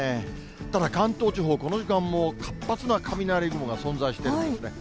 ただ関東地方、この時間も活発な雷雲が存在してるんですね。